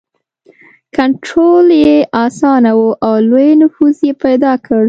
کنټرول یې اسانه و او لوی نفوس یې پیدا کړ.